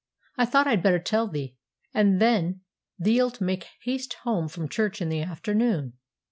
I thought I'd better tell thee; and then thee'lt make haste home from church in the afternoon.'